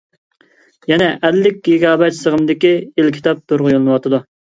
يەنە ئەللىك گىگابايت سىغىمدىكى ئېلكىتاب تورغا يوللىنىۋاتىدۇ.